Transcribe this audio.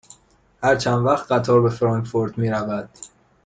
هر چند وقت قطار به فرانکفورت می رود؟